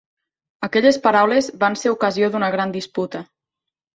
Aquelles paraules van ser ocasió d'una gran disputa.